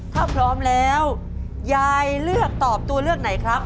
ถ้าพร้อมแล้วยายเลือกตอบตัวเลือกไหนครับ